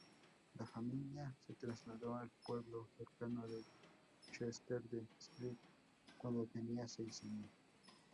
La familia se trasladó al pueblo cercano de Chester-le-Street cuando tenía seis años.